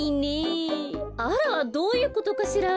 あらどういうことかしら。